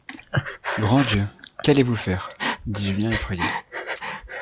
Grand Dieu ! qu'allez-vous faire ? dit Julien effrayé.